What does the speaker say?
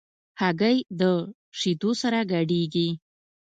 هګۍ د شیدو سره ګډېږي.